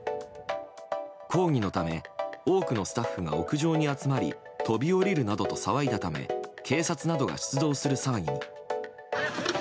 抗議のため、多くのスタッフが屋上に集まり飛び降りるなどと騒いだため警察などが出動する騒ぎに。